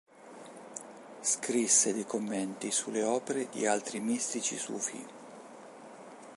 Scrisse dei commenti sulle opere di altri mistici sufi.